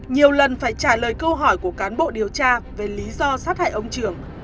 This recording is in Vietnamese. nhiều lần phải trả lời câu hỏi của cán bộ điều tra về lý do sát hại ông trường